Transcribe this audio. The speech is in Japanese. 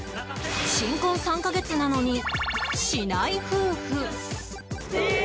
新婚３カ月なのにしない夫婦えっ！？